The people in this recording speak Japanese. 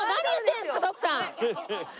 徳さん。